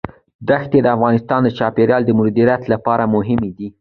دښتې د افغانستان د چاپیریال د مدیریت لپاره مهم دي.